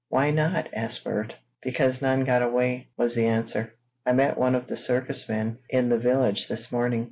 "Why not?" asked Bert. "Because none got away," was the answer. "I met one of the circus men in the village this morning.